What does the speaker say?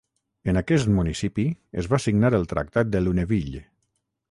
En aquest municipi es va signar el Tractat de Lunéville.